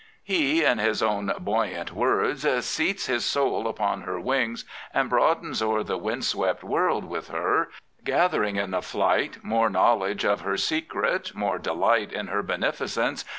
He, in his own buoyant words, ... seats his soul upon her wings, And broadens o'er the windswept world With her, gathering in the flight More knowledge of her secret, more Delight in her beneficence.